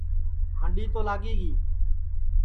ہانڈی تو لاگی گی